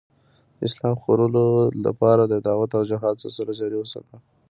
د اسلام خورلو دپاره د دعوت او جهاد سلسله جاري اوساتله